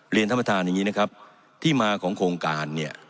เรียนท่านประธานอย่างนี้นะครับที่มาของโครงการเนี่ย